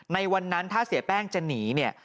ในวันนั้นถ้าเสียแป้งจะหนีเนี่ย